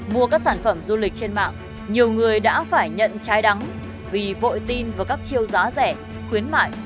mua các sản phẩm du lịch trên mạng nhiều người đã phải nhận trái đắng vì vội tin vào các chiêu giá rẻ khuyến mại